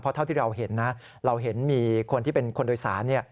เท่าที่เราเห็นนะเราเห็นมีคนที่เป็นคนโดยสาร